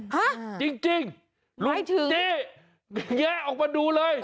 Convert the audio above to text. ฮะไม่ถึงจริงลุงจี้แยะออกมาดูเลย